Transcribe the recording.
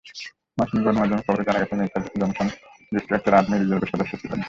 মার্কিন গণমাধ্যমের খবরে জানা গেছে, মিকাহ জনসন যুক্তরাষ্ট্রের আর্মি রিজার্ভের সদস্য ছিলেন।